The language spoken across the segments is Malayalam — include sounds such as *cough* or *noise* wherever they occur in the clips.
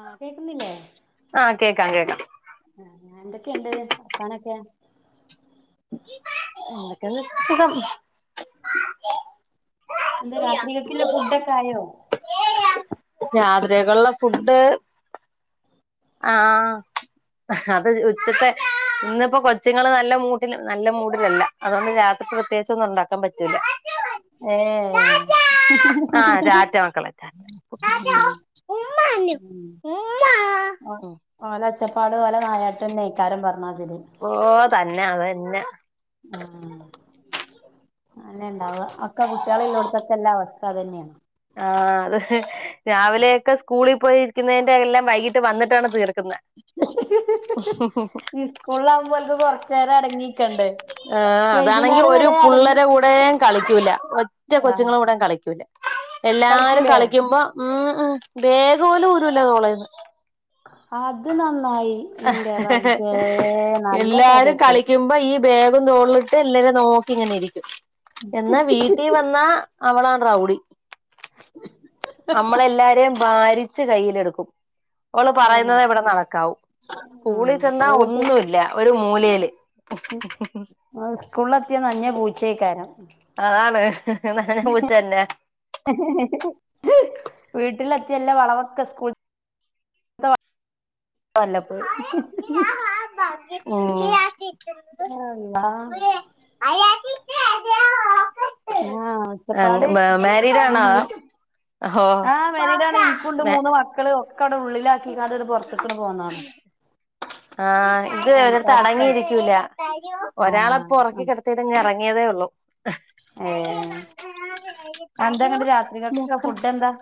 ആഹ് കേക്കുന്നില്ലേ ആഹ് കേക്കാം കേക്കാം ഏ എന്തൊക്കെയുണ്ട് വർത്താനൊക്കെ ഉ പിന്നെ സുഖം എന്താ രാത്രി കെക്ക്ല്ല ഫുഡ് ഒക്കെ ആയോ രാത്രികക്കുള്ള ഫുഡ് ആഹ് അത് ഉച്ചത്തെ ഇന്നിപ്പോ കൊച്ചുങ്ങള് നല്ല മൂടില് നല്ല മൂടിലല്ല അതുകൊണ്ട് രാത്രിക്ക് പ്രത്യേകിച്ച് ഒന്നും ഉണ്ടാക്കാൻ പറ്റൂല ഏഹ് ആഹ ചാറ്റ മക്കളേ ചാറ്റ ഉം ഉമ്മന് ഉം ഉമ്മ ഒരുാട് പല നായട്ടന്നെ ഇക്കാരം പറഞ്ഞാ ഓ തന്നെ അതന്നെ ആം അന്നെ ഉണ്ടാവ അക്ക കുട്ടികളെ ഇയോടുത്തൊക്കെ എല്ലാ അവസ്ഥ ഇത് അതന്നെയാണ് ആ അത് രാവിലെയൊക്കെ സ്കൂളിൽ പോയിരിക്കുന്നതിന്റെ എല്ലാം വൈകിട്ട് വന്നിട്ടാണ് തീർ ഈ സ്കൂളില ആകുമ്പോക്ക കൊറച്ച നേരം അടങ്ങിക്കണ്ട് ആഹ് അതാണെങ്കി വൈകുന്നേരം ഒരു വരെ അടങ്ങി പുള്ളരെ കൂടെയും കളിക്കൂല ഒറ്റ ആഹ കൊച്ചുങ്ങളെ കൂടെയും കളിക്കൂല എല്ലാരും കളിക്കുമ്പോ ഉം ഉം ഉം ബേഗ് പോലും ഊരുല്ല തോളേന്ന് അത് ന നല്ല എല്ലാരും കഥേപ്പ് കളിക്കുമ്പോ ഈ ബേഗും തോളിലിട്ട് എല്ലര നോക്കി പിങ്ങനെ ഇരിക്കും എന്നാ വീട്ടി വന്നാ അവളാണ് റൗഡി *unintelligible* നമ്മള എല്ലാരെയും ഭാരിച്ച് കയ്യിലെടുക്കും അവള് ആല്ലെ പറയുന്നത് ഇവിടെ നടക്കാവൂ ഉ സ്കൂളിൽ ചെന്നാ പോട്ട് ഒന്നുമില്ല ഒരു മൂലയില് സ്കൂളിത്തിയ അഞ്ഞ പൂച്ചേക്കാരം അതാണ് ഹ് ഹ് നനഞ്ഞ പൂച്ച തന്നെ *unintelligible* വീട്ടിലെത്തി എല്ല വളവൊക്കെ സ്കൂൾത്ത വ വല്ലപോയി ഹമ് ആള്ളാഹ് ഉം അഹ് മാരീഡാണോ ഹോ പോക്കാ കട ഉള്ളിത്ത കിഗടിട്ട് പുൊറത്തക്ക പോന്നാ ആഹ് ഇത് ഒടുത്ത് അടങ്ങിയിരിക്കൂല ഒരാളപ്പോ ഉറക്കി കിടത്തി ഇറങ്ങി റങ്ങിയതേ ഉള്ളു ഏ എന്താങ്ങട്ട ഉള്ളൂ രാത്രികൾക്ക് ഫുഡ് എന്താ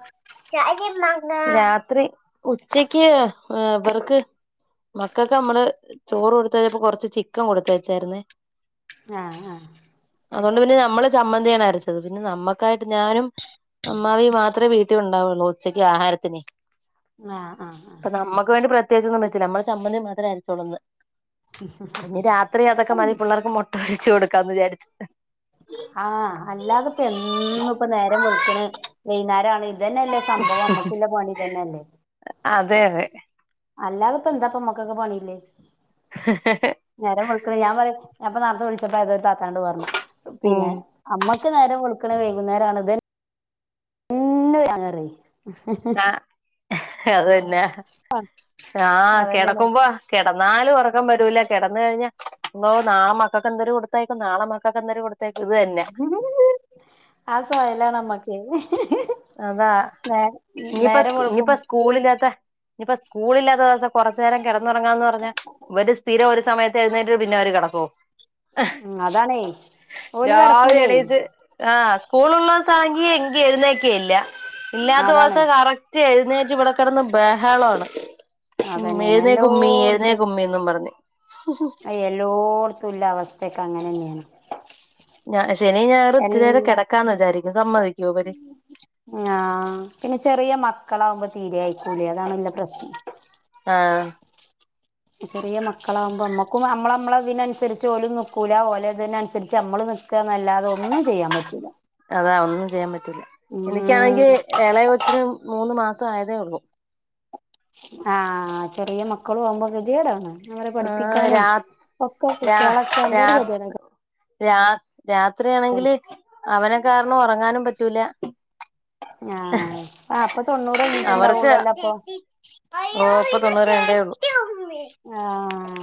രാത്രി ഉച്ചക്ക് ഇവർക്ക് മക്കൾക്ക് നമ്മള് ചോറ് കൊടുത്തച്ചപ്പോ കൊറച്ച് ചിക്കൻ കൊടുത്ത വച്ചായിുന്നേ ആഹ് ആഹ്. അതുകൊണ്ട് പിന്നെ നമ്മള് ചമ്മന്തിയാണ് അരച്ചത് പിന്നെ നമ്മുക്കായിട്ട് ഞാനും അമ്മായും മാത്രമേ വീ കു ഉണ്ടാവുള്ള ഉച്ചക്ക് ആഹാരത്തിന് ആഹ് ആഹ് അപ്പ ആഹ് നമ്മുക്ക് വേണ്ടി പ്രത്യേകിച്ച് വ നമ്മളുടെ ചമ്മന്തി മാത്രം ആയിച്ചോളന്ന് അ രാത്രി അതൊക്കെ മതി പിള്ളേർക്ക് മോട്ട വച്ച കൊടുക്കാന്ന് വിചാരിച്ചു ആഹ് അല്ലാതെ ഇപ്പ എന്ന ഇപ്പ നേരം വെളുക്കണ് വൈകുന്നേരം അ തന്നെയല്ലേ സംഭവം അമ്മുക്കല്ല പണി തന്നെയല്ലേ അതെ അതെ അല്ലാതപ്പ എന്താപ്പമ്മക്കൊക്കെ പണിയില്ലേ നേരം വെളുക്കാ ഞാൻ പറയും. അപ്പൊംത്തത്തെ വിളിച്ചപ്പോ തൊ പറു പിന്നെ ഉം അമ്മ നേരം വെളുക്കണ വൈകുന്നേര ആണത്. പിന്നെ ഹ് ഹ ഹ അതെ ആഹ് അതന്നെയാണ് കിടക്കുമ്പോ കിടന്നാല് ഉറക്കാൻ പറ്റ കിടന്ന് കഴിഞ്ഞോ നാളെ മക്കൾക്ക് എന്തര് കൊടുത്തായിക്കും നാളെ മക്കൊക്ക് എന്തര് കൊടു ആസയലാണമ്മക്ക് അതാ ഇനിയിപ്പ നേരം വെളുക്കും ഇനിയിപ്പ സ്കൂളില്ലാത്ത ഇപ്പൊ സ്കൂളില്ലാത്ത ദിവസം കൊറച്ച് നേരം കെട റങ്ങന്ന് പറഞ്ഞ ഇവര് സ്ഥിരം ഒരു സമയത്ത് എഴുന്നേറ്റ് പിന്നെ അവര് കിടക്കുമോ ഉം അതാണേ ഓല് രാവിലെ കെടക്കൂലേ എണീച്ച് ആ് സ്കൂളുള്ള ദിവസാണെങ്കി എങ്കി എഴുന്നേ ക്കല്ല ഇല്ലാത്ത അതാണ് ദിവസം കറക്റ്റ് എഴുന്നേറ്റ് ഇവിടെ കിടന്ന് ബഹാളണ് ഉ അതന്നെയാണ് എഴുന്നേ കുമ്മി എഴുന്നേ എല്ലോടത്തും കുമ്മി പറഞ്ഞ് എല്ലോടത്തും ഉള്ള അവസ്ഥയൊക്കെ അങ്ങനെ തന്നെയാണ് ഞാ ശനി ഞായറും ഇത്തിരി നേരം എല്ലാ കെടക്കാന്ന് വിചാരിക്കും. സമ്മതി ആഹ് പിന്നെ ചെറിയ മക്കളാവുമ്പോ തീരെയക്കൂലേ അതാണല്ല പ്രശ്നം. ആഹ് ചെറിയ മക്കളാകുമ്പോ നമ്മക്കും നമ്മള നമ്മള അതിനനുസരിച്ച് ഓലും നക്കൂല ഓലെ ഇതിനനുസരിച്ച് നമ്മള് ന നല്ലാതെ ഒന്നും ചെയ്യാൻ പറ്റൂല. അതാ ഒന്നും ചെയ്യാൻ പറ്റും റ്റുല എനിക്കാണെങ്കിൽ ഉം ഏളയ കൊച്ചിന് മൂന്ന് മാസ് ആയതേ ഉള്ളൂ ആ ചെറിയ മക്കള് പോവുമ്പോ ഗതികേടാണ് അവരെ ആഹ് പഠിപ്പിക്കാനും രാ ഒക്കെ രാ കുട്ടികളൊക്കെ എന്റെ ഒരു രാ ഗതിയാണ് രാ രാത്രിയാണെങ്കിൽ അവന- കാരണം ഉറങ്ങാനും പറ്റൂല ആ ആ അപ്പൊ തൊണ്ണൂറ് അവർക്ക് കഴിഞ്ഞിട്ട്ണ്ടാവുള്ളുല്ല അപ്പൊ ഓ ഇപ്പൊ തൊണ്ണൂറ് രണ്ടേ ഉള്ളൂ ആ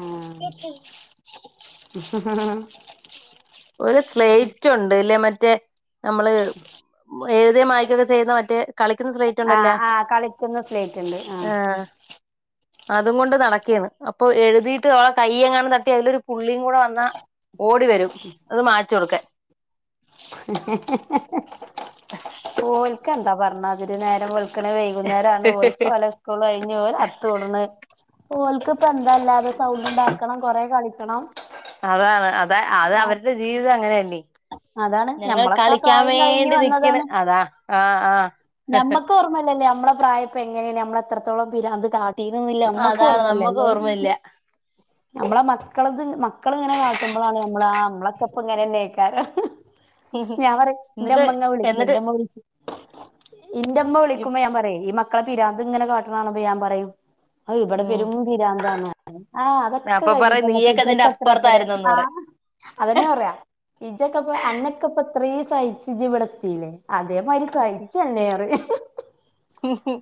*unintelligible* ഹ ഹ ഒരു സ്ലേറ്റ് ഉണ്ട് ഇല്ലേ മറ്റ- ത്തെ *unintelligible* നമ്മള് ഏത മക്കൊ *unintelligible* ക്കെ ചെയ്ത മ ത്തെ *unintelligible* ആ ആ കളിക്കുന്ന സ്ലേറ്റ് ഉണ്ട് ആ ആഹ് അതും കൊണ്ട് നടക്കിയാണ് അപ്പൊ എഴുതിട്ട് അവളെ കൈ എങ്ങാനും തട്ടി അതിലൊരു പുള്ളിയും കൂടെ വന്നാ ഓടി വരും അത് മായിച്ച് കൊടുക്കാൻ *unintelligible* ഓല്‍ക്കെന്താ ത്തപറഞ്ഞ അവര് നേരം വെളിക്കണ വൈകുന്നേരം ആണ് ഓലിക്ക ഓല സ്കൂൾ കഴിഞ്ഞ് ഓല ഒത്ത്കൂടണ് ഓൾക്ക് ഇപ്പ എന്താല്ല സൗണ്ട് ഉണ്ടാക്കണം കൊറെ കളി ക്കണം അതാണ് അത അത് അവരുടെ ജീവിതം അങ്ങനെയല്ലേ. അതാണ് ഞങ്ങൾ ഞമ്മളൊക്കെ ആ കളിക്കാൻ പ്രായം കഴിഞ്ഞ് വേണ്ടി നിക്കണ് വന്നതാണ് അതാ. ആ ആ ഞമ്മക്ക് ഓർമ്മല്ലല്ലേ നമ്മള പ്രായ എങ്ങനെയാണ് നമ്മ എത്രോളം പിരാന്ത്‌ കാ ട്ടിന്നില്ല നമ്മക്കും അതാണ് നമ്മക്ക് ഓർമ്മല്ലല്ലേ ഓർമ്മയില്ല നമ്മളെ മക്കള മക്കളിങ്ങനെ കാട്ടുമ്പോഴാണ് നമ്മള നമ്മളെ പ്പ ഇങ്ങനെന്ന കേക്കാരം ഞാൻ പറ എന്നിട്ട് എന്റെമ്മങ്ങ വിളിക്കു എന്നിട്ട് എന്റെമ്മ വിളിച്ചു ഇന്റെമ്മ വിളിക്കുമ്പോ ഞാൻ പറയും ഈ മ ക്ക പിരാന്ത് ഇങ്ങനെ കാട്ടണാകാണുമ്പൊ ഞൻ പറയും ഇവിടെ ഉം പെരുംപിരാന്താന്ന് ആ അതൊക്കെ അപ്പൊ പറയും നീയൊക്കെ കഴിഞ്ഞിട്ട് ഇതിന്റെ അപ്പുറത്തായിരുന്നന്ന് *inaudible* ആ പറയും അതെന്നെയാ പറയാ ഇജക്കപ്പ അനക്കപ്പ ത്രീ സഹിച്ചു ജിവിടത്തില്ലേ അതേമാതിരി സഹി ചെഅല്ലെ *unintelligible* ഊഹും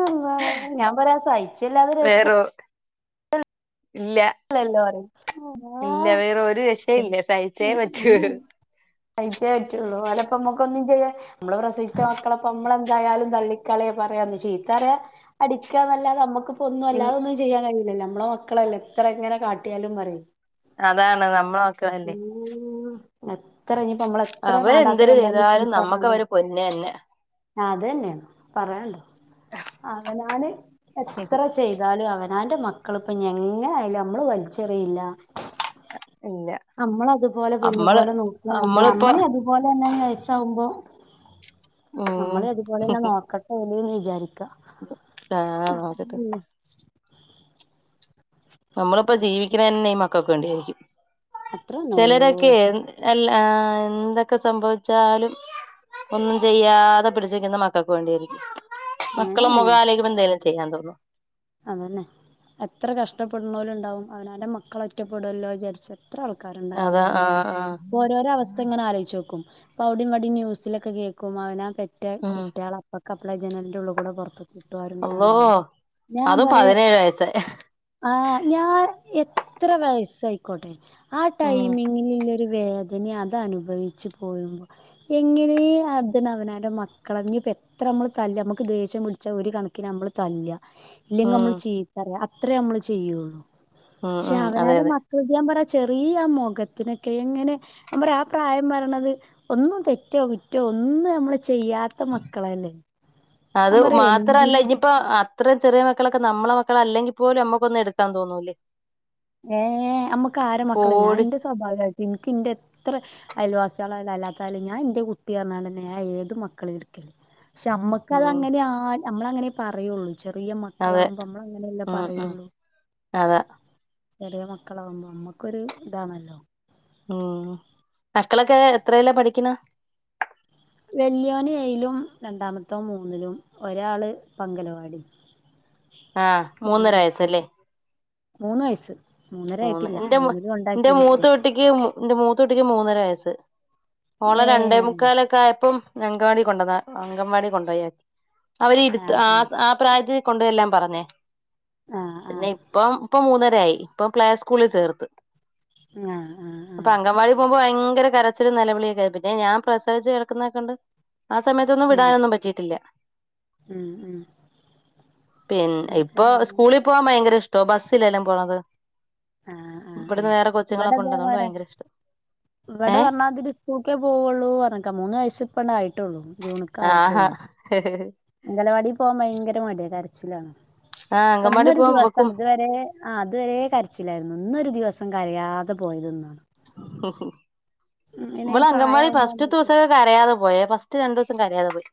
അള്ളാ ഞാൻ പറയാ സഹിച്ചല്ലാതെ രക്ഷ വേറോ *unintelligible* ഇല്ല ഇല്ല വേറെ ഒരു രക്ഷയില്ല സഹിച്ചേ പറ്റൂ *unintelligible* സഹിച്ചേ പറ്റുള്ളൂ ഓലെ പ്പംനമ്മുക്കൊന്നും ചെയ്യ മ്മള് പ്രസവിച്ച മക്കളപ്പ നമ്മള ന്തായാലും തള്ളിക്കളയ പറയാ ചീത്തറയ അടിക്കാന്നല്ലാതെ നമ്മുക്ക് ഒന്നും ഇൽ അല്ലാതൊന്നും ചെയ്യാൻ കയില്ലല്ലോ മ്മ മ്മള മക്കളല്ലേ ഇത്ര ഇങ്ങനെ കാട്ടിയാലും പറയും അതാണ് നമ്മളൊക്കെല്ലേ ഉം എത്ര ഇനിയിപ്പോ നമ്മള് എത്ര മാണ്ടാത്ത അവര്ന്തരു കണ്ടാലും ചെയ്താലും നമ്മുക്ക് അവര് പൊന്ന് ന്നെ ഞ്ഞാതന്നെ പറയാൻണ്ടോ അവനാന് എത്ര ചെയ്താലും അവൻ ഞാന്റെ മക്കളിപ്പ ഞങ്ങങ്ങനെ ല്ല നമ്മള് വലിച്ചെറിയില്ല *inaudible* നമ്മളതുപോലെ നമ്മള് പൊന്നുപോലെ നോക്കുമ്മ *unintelligible* നമ്മളിപ്പോ നമ്മളി അതുപോലെന്നെ വയസ്സാവുമ്പോ ഉം നമ്മളെ അതുപോലെതന്നെ നോക്കട്ടെ *unintelligible* ജാരി ആ നോക്കട്ട് നമ്മളിപ്പോ ജീവിക്കണന്നെ ഇ മ ക്ക കൊണ്ടേയിരിക്കും അത്ര തന്നെള്ളൂ ചെലരൊക്കെ *unintelligible* അല്ല ആ എന്തൊക്കെ സംഭവിച്ചാലും ഒന്നും ചെയ്യാതെ പിടിച്ചുനിക്കുന്ന മക്കൾക്ക് വേണ്ടിയായിരിക്കും അങ്ങനെ മക്കളെ തന്നെയാണ് മുഖാലോചിക്കുമ്പന്തൽ *unintelligible* ചെയ്യാൻ തോന്നു അതന്നെ എത്ര കഷ്ടപ്പെടുന്നോരുംണ്ടാവും അവനാന്റെന് മക്കള ഒറ്റപ്പെടുല്ലോ വിജാരിച്ച് ത്ര ആൾക്കാരുണ്ട് അങ്ങനെ അതാ കഴിയുന്ന ആഹ് ആഹ് ഓരോരോ അവസ് എങ്ങനെ ആലോയിച്ചു നോക്കും പ്പഅവിടെം ഇവിടെം ന്യൂസിലൊക്കെ കേൾക്കും അവനാ പെട്ടെന്ന് ന്റെ ഉം കുട്ട്യേൾ *unintelligible* *unintelligible* ജനലിന്റുള്ളിക്കൂടെ പൊറത്ത് വിട്ടൊ ആരും അള്ളോ കാണാതെ ഞാൻ അതും പറയാ പതിനേഴ് വയസ്സ് ആ ഞാൻ എത്ര വയസ്സായിക്കോട്ടെ ആ ഉം ടൈമിങ്ങിനില്ലെ ഒരു വേദനയത് അനുഭവിച്ച് പോരുമ്പോ എങ്ങനേ അതിനവനാന്റെ മക്കളെ ഇഞ്ഞി ഇപ്പോ എത്ര നമ്മള് തല്ല നമുക്ക് ദേഷ്യം പിടിച്ചാ ഒരു കണക്കിന് നമ്മള് തല്ല്യ ഇല്ലെങ്കി ഉം നമ്മള് ചീത്ത പറയും അ അത്രേ നമ്മള് ചെയ്യുള്ളൂ ഉം പക്ഷെ ഉം അതെ അവനാന്റെ അതെ മക്കളെത് ഞാൻ പറ ചെറിയ ആ മുഖത്തിനൊക്കെ എങ്ങനെ ഞാൻ പറയാ ആ പ്രായം വരണത് ഒന്നും തെറ്റോ കുറ്റോ ഒന്നും നമ്മള് ചെയ്യാത്ത മക്കളല്ലേ ഞാൻ പറയാ എന്തിനാ ഇത്രയും ചെറിയ മക്കളൊക്കെ നമ്മളെ മക്കളല്ലെങ്കി പോലും നമ്മുക്കൊന്ന് എടുക്കാൻ തോന്നൂല്ലേ ഏ ഞമ്മക്ക് ആര മക്കള ഞാൻ പോടി എന്റെ സ്വഭവാട്ടെ ഇനിക്ക് എന്റെ എത്ര അയൽവാസികളായാലും അല്ലാത്തായാലും ഞാൻ എൻ്റെ കുട്ടി പറഞ്ഞാ ഏത് മക്കളേം എടുക്കല് പക്ഷെ നമ്മുക്ക് ഉം അതങ്ങനെ ആ നമ്മള് അങ്ങനെ പറയുള്ളൂ ചെറിയ അതെ മക്കളാാവുമ്പോ നമ്മള് അങ്ങനെല്ലേ ഉം ഉം പറയുള്ളൂ അതാ ചെറിയ മക്കളാവുമ്പോ നമ്മുക്കൊരു ഇതാണല്ലോ ഉം മക്കളൊക്കെ എത്രയിലാ പഠിക്കണ് വല്യോന് ഏഴിലും രണ്ടാമത്തോൻ മൂന്നിലും ഒരാള് ഇപ്പം അങ്കലവാടി ആഹ് മൂന്നര വയസ്സല്ലേ മൂന്ന് വയസ്സ് മൂന്നര മൂന്ന് ആയിട്ടില്ല എന്റെ മൂന്നില് എന്റെ കൊണ്ടാക്കീന് ഇപ്പൊ ഞാൻ മൂത്തകുട്ടിക്ക് എന്റെ മൂത്ത മൂത്ത കുട്ടിക്ക് മൂന്നര വയസ്സ് ഓളെ ഏ രണ്ടേ മുക്കാലൊക്കെ ആയപ്പം അങ്കവാടി കൊണ്ടന്ന അങ്കംവാടി കൊണ്ടോയാക്കി അവര് ഇരുത്തോ ആ ആ പ്രായത്തില് കൊണ്ട് ചെല്ലാൻ പറഞ്ഞേ ആ ആ ആ പിന്നെ ഇപ്പം ഇപ്പൊ മൂന്നര ആയി ഇപ്പം പ്ലേ സ്കൂളിൽ ചേർത്ത് ആ ആ ആ അപ്പൊ അങ്കൻവാടി പോകുമ്പോ ഭയങ്കര കരച്ചിലും നിലവിളിയൊക്കെ ആയി. പിന്നെ ഞാൻ പ്രസവിച്ച് കിടക്കുന്നക്കെകൊണ്ട് ആ സമയത്തൊന്നും ഉം വിടാനൊന്നും പറ്റിയിട്ടില്ല ഉം ഉം പിന്നെ ഇതിപ്പോ ഇപ്പൊ ഞാന് സ്കൂളിൽ പോവാൻ ഭയങ്കര ഇഷ് ത്തോ ബസ്സിലെല്ലാം പോണത് ആ ആ ആ ഇവിടുന്ന് വേറെ കൊച്ചുങ്ങളൊക്കെ ഉണ്ട് അതുകൊണ്ട് ഇവിടെതേപോലെ ഭയങ്കര ഇഷ്ടം വിടെ ഏഹ് പറഞ്ഞാതിരി സ്കൂൾക്കേ പോവുള്ളൂ പറഞ്ക്ക മൂന്ന് വയസി പ്പണ്ടയിട് ആ ഹാ അംഗലവാടി പോക ഭയങ്കര മടിയ കരച്ചിലാ ആ അങ്കൻവാടി ഇപ്പന്നൊരു പോവാൻ ഇവക്കും ദിവസാണ് തുവരെ ആ തുവരെ കരച്ചിലായിരുന്നു ഇന്നൊരു ദിവസം കരയാതെ പോയത് ന്നാ ഹ് ഹ് പിന്നെ ഈ ഇവള് അംഗൻവാടി പ്രായാവുമ്പോ ഫസ്റ്റ് നമ്മക്ക് തുൂസൊകെ കരയാതെ പോയ ഫസ്റ്റ് റ്റ രണ്ടുസം കരയാതെ പോയി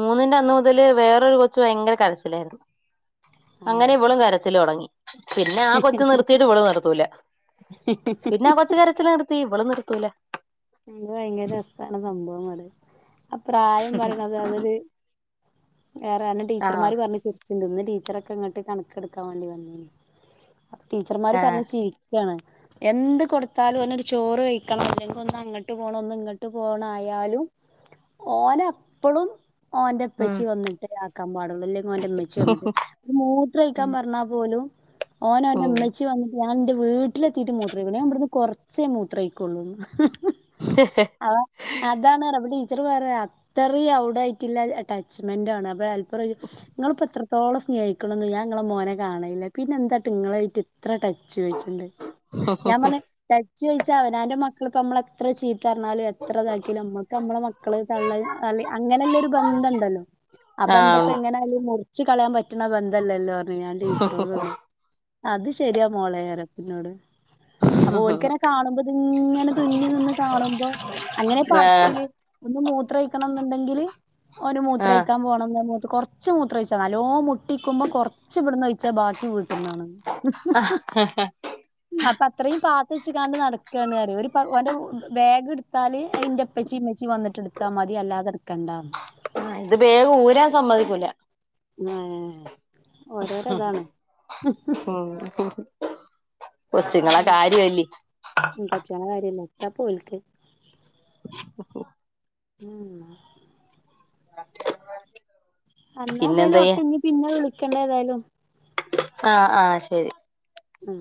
മൂന്നിന്റെ അന്ന് മുതല് വേറൊരു കൊച്ചു ഭയങ്കര കരച്ചിലായിരുന്നു ആഹ് അങ്ങനെ ഇവളും കരച്ചിലൊടങ്ങി പിന്നെ ആ കൊച്ച നിർത്തിയിട്ട് ഇവളും നിർത്തൂല പിന്നെ ആ കൊച്ച ചില് നിർത്തി വെള് നിർത്തൂല അയ്ന് ഭയങ്കര രസാണ് സംഭവം അടെ അപ്രായം പറേണത് അത് അവര് വേറെ അവന്റെ ആഹ് ടീച്ചർമാര് പറഞ്ഞു ചിരിച്ചിണ്ടിന്ന് ടീച്ചറൊക്കെ ഇങ്ങട്ട് കണക്കെടുക്കാൻ വേണ്ടി വന്നിന്നു അപ്പ ടീച്ചർമാര് ആഹ് പറഞ്ഞ് ചീയിപ്പിക്കാണ് എന്ത് കൊടുത്താലും ഓനൊരു ചോറ് കഴിക്കണംെ ഒന്നങ്ങട്ട് പോണു ഒന്ന് ഇങ്ങട്ട് പോണായാലും ഓനപ്പളും ഉം ഓന്റെപ്പച്ചി വന്നട്ടല്ലെ ആക്കാൻപാടുള്ളൂ ഇല്ലെങ്കി ഓന്റെ ഇമ്മച്ചി വന്നട്ട് ഒരു മൂത്രൊഴിക്കാൻ ഉം പറഞ്ഞാ പോലും ഓനോന്റെമ്മച്ചി വന്നിട്ട് ഞാൻ ന്റെ വീട്ടിലെത്തിയിട്ട് മൂത്രക്കു ഞാൻവിടുന്ന് കുറച്ചേ മൂത്രയ്ക്കൊള്ളൂ ന്ന് ഹ അവ അതാണ് റപടി ചെറ് പറയാ ത്ര വേറെ അത്രേം അവിടായിട്ടുള്ള അറ്റാച്ച്മെന്റാണ് അപ്പോൾ ഹെൽപ്‌റോയ്ച്ചു നിങ്ങളിപ്പൊത്രത്തോളം സ്നേഹിക്കണെ ന്നും ഞാൻ നിങ്ങളെ മോനെ കാണയില്ല പിന്നെന്തായിട്ട് ങ്ങൊളായ്ട്ട് ത്ര ടച്ച് ചോയ് ച്ചിുണ്ട് ഞാൻ പറഞ്ഞ ചോദിച്ചാ അവനാന്റെ മക് ക്കൾ പ്പൊ മ്മളെത്ര ചീത് എത്തർഞ്ഞാലും എത്ര ഇതാക്കില് അമ്മക്കമ്മളെ മക്കള് തള്ളനെ അല്ലേ അങ്ങനെല്ലൊരു ബന്ധണ്ടല്ലോ ആ ആഹ് ബന്ധപ്പെങ്ങനായാലും മുർ ച്ച് കളയാൻ പറ്റ്ണ ബന്ധല്ലല്ലോ അത് അയാള്‌ *unintelligible* അത് ശരിയാ മോളയരത്തിനോട് അപ്പൊ ഓൽക്കന്നെ കാണുമ്പോത്ങ്ങനെ തുന്നി നിന്ന് കാണുമ്പോ അങ്ങനെ പറച്ചില് ഒന്ന് മൂത്രണം ഉണ്ടെങ്കില് ഒരു മൂത്രം ആഹ് ഒഴിക്കാൻപോണ നെന്ന് കുറച്ച് മൂത്ര ഒഴിച്ച നാലോ മൂ കുട്ടിക്കൊ്പോം കൊറച്ചു ഇവിടന്ന് വഴിച്ചാ ബാക്കി വീട്ടന്നാണ് അപ്പ അത്രേയും പാത്ത വെച്ച് കാണ്ട് നടക്കയാണ് അറിയ ഒരു എന്റെ ബാഗ് എടുത്താല് അതിന്റെപ്പച്ചി ഇമ്മച്ചി വന്നിട്ട് എടുത്താ മതി അല്ലാതെ എടുക്കണ്ട ആ ഇത് വേഗം ഊരാൻ സമ്മതിക്കൂല ആ ഓരോരതാണ് ഉം കൊച്ചുങ്ങളെ കാര്യല്ലേ തപ്പോഴക്ക് *unintelligible* ഉം അല്ലാ എതായാലും ഒക്കെ പിന്നെന്തയ്യാ ഇനി പിന്നെ വിളിക്കണ്ട ഏതായാലും ആആ ശരി ഉ